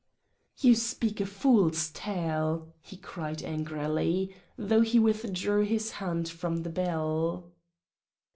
"You speak a fool's tale!" he cried angrily, though he withdrew his hand from the bell.